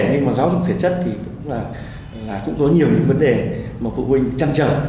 nhưng mà giáo dục thể chất thì cũng có nhiều những vấn đề mà phụ huynh trăng trở